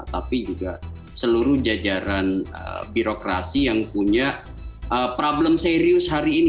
tapi juga seluruh jajaran birokrasi yang punya problem serius hari ini